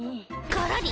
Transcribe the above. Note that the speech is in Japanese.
ガラリ。